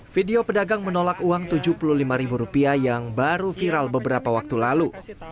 video pedagang menolak uang rp tujuh puluh lima yang baru viral beberapa waktu lalu